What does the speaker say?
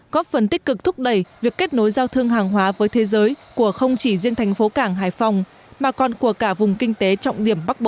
có phần tích cực thúc đẩy việc kết nối giao thương hàng hóa với thế giới của không chỉ riêng thành phố cảng hải phòng mà còn của cả vùng kinh tế trọng điểm bắc bộ